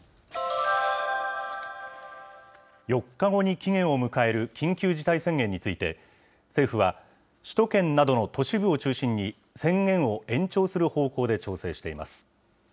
４日後に期限を迎える緊急事態宣言について、政府は、首都圏などの都市部を中心に、宣言を延長する方向で調整しています。